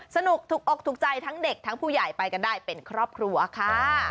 สนุกถูกอกถูกใจทั้งเด็กทั้งผู้ใหญ่ไปกันได้เป็นครอบครัวค่ะ